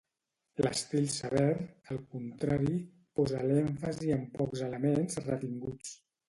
L'estil sever, al contrari, posa l'èmfasi en pocs elements retinguts.